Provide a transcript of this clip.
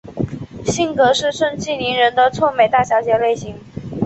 性格是盛气凌人的臭美大小姐类型。